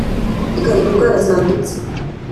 ikareba indwara zadutse